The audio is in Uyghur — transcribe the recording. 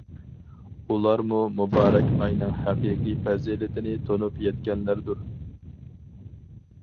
ئۇلار بۇ مۇبارەك ئاينىڭ ھەقىقىي پەزىلىتىنى تونۇپ يەتكەنلەردۇر.